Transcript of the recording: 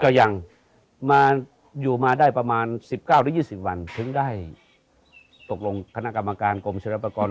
ก็ยังอยู่มาได้ประมาณ๑๙๒๐วันถึงได้ตกลงคณะกรรมการกรมเฉลี่ยปรากร